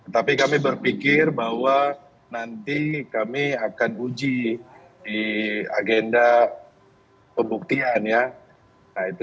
tapi kami berpikir bahwa nanti kami akan uji di agenda pembuktian ya